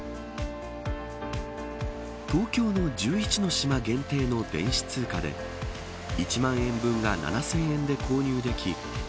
東京の１１の島限定の電子通貨で１万円分が７０００円で購入でき